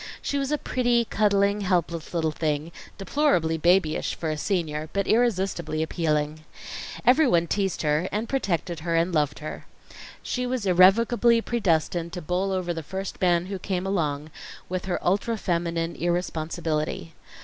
She was a pretty, cuddling, helpless little thing, deplorably babyish for a senior; but irresistibly appealing. Everyone teased her, and protected her, and loved her. She was irrevocably predestined to bowl over the first man who came along, with her ultra feminine irresponsibility.